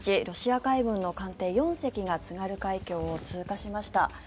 ロシア海軍の艦艇４隻が津軽海峡を通過しました。